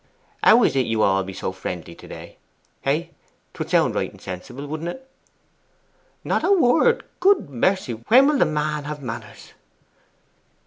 How is it you all be so friendly to day?" Hey? 'Twould sound right and sensible, wouldn't it?' 'Not a word! Good mercy, when will the man have manners!